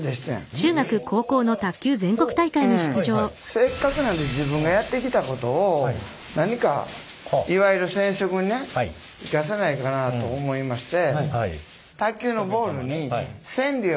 せっかくなんで自分がやってきたことを何かいわゆる染色にね生かせないかなと思いまして。